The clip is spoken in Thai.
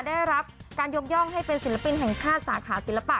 ได้รับการยกย่องให้เป็นศิลปินแห่งชาติสาขาศิลปะ